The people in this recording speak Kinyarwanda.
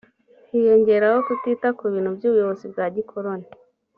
hiyongeraho kutita ku bintu by ubuyobozi bwa gikoroni